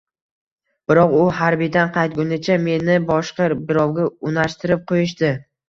Biroq u harbiydan qaytgunicha meni boshqa birovga unashtirib qo'yishdi